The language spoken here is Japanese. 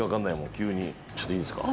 急にちょっといいですか？